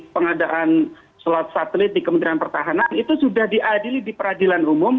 pengadaan sholat satelit di kementerian pertahanan itu sudah diadili di peradilan umum